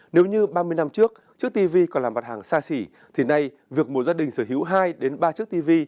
nếu như ba mươi năm trước chất tv còn là mặt hàng xa xỉ thì nay việc một gia đình sở hữu hai ba chất tv